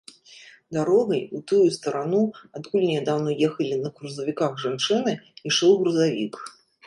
Дарогай, у тую старану, адкуль нядаўна ехалі на грузавіках жанчыны, ішоў грузавік.